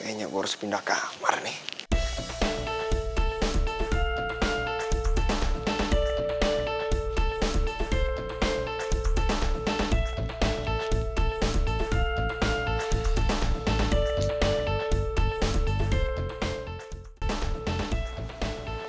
kayaknya gue harus pindah kamar nih